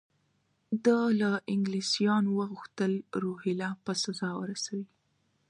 ده له انګلیسیانو وغوښتل روهیله په سزا ورسوي.